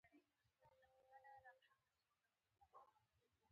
چې اوس ترې بغاوت اسانه نه دى.